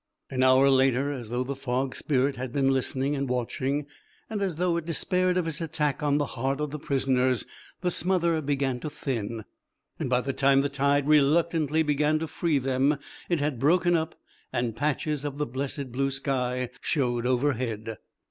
An hour later, as though the Fog spirit had been listening and watching, and as though it despaired of its attack on the heart of the prisoners, the smother began to thin; by the time the tide reluctantly began to free them it had broken up and patches of the blessed blue sky shewed overhead.